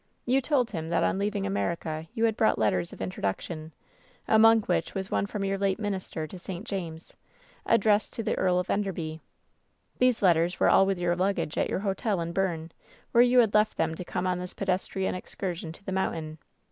You told him that on leaving America you had brought letters of introduction — ^among which was one from your late minister to St. James, addressed to the Earl of Enderby. These letters were all with your luggage at your hotel at Berne, where you had left them to come on this pedestrian excursion to the mountain.